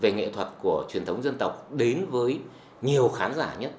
nghệ thuật của truyền thống dân tộc đến với nhiều khán giả nhất